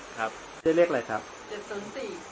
ได้เรียกอะไรครับพี่